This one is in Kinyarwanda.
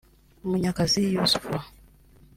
Munyakazi Yussuf